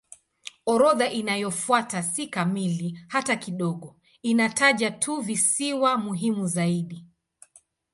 Orodha inayofuata si kamili hata kidogo; inataja tu visiwa muhimu zaidi.